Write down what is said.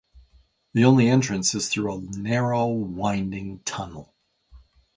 The only entrance is through a narrow, winding tunnel.